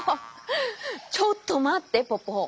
ちょっとまってポポ！